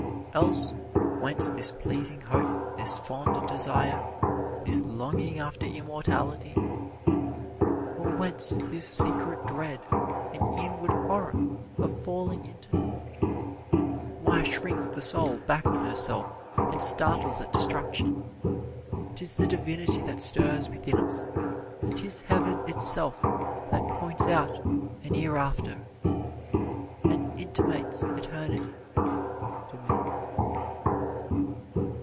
Else whence this pleasing hope, this fond desire, This longing after immortality? Or whence this secret dread, and inward horror, Of falling into nought? Why shrinks the soul Back on herself, and startles at destruction? 'T is the divinity that stirs within us; 'T is heaven itself, that points out an hereafter, And intimates eternity to man.